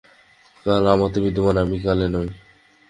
কাল আমাতে বিদ্যমান, আমি কালে নই।